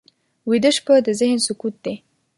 ویده شپه د ذهن سکوت دی